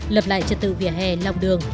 lập lại trật tự vỉa hè lòng đường